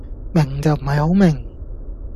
明就唔係好明